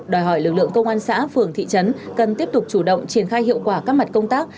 đòi hỏi lực lượng công an xã phường thị trấn cần tiếp tục chủ động triển khai hiệu quả các mặt công tác